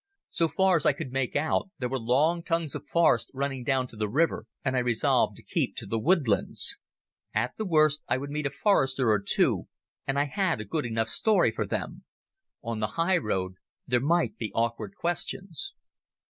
So far as I could make out there were long tongues of forest running down to the river, and I resolved to keep to the woodlands. At the worst I would meet a forester or two, and I had a good enough story for them. On the highroad there might be awkward questions.